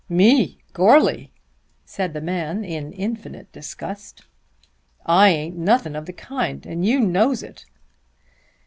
"Me Goarly!" said the man in infinite disgust. "I ain't nothing of the kind, and you knows it."